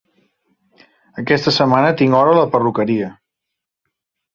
Aquesta setmana tinc hora a la perruqueria.